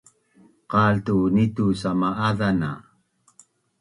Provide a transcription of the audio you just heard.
Qaltu ni tu sama’azan na’